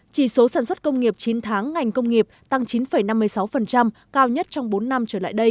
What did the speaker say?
chỉ số sản xuất công nghiệp chín tháng ngành công nghiệp tăng chín năm mươi sáu cao nhất trong bốn năm trở lại đây